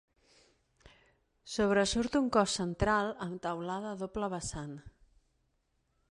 Sobresurt un cos central amb teulada a doble vessant.